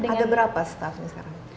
ada berapa staffnya sekarang